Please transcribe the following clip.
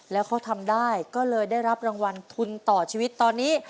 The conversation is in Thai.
แล้วเขาทำได้ก็เลยได้รับรางวัลทุนต่อชีวิตตอนนี้